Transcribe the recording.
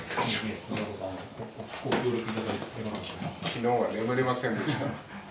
昨日は眠れませんでした。